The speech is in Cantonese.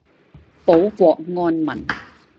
保國安民